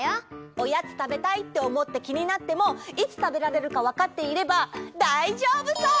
おやつたべたいっておもってきになってもいつたべられるかわかっていればだいじょうぶそう！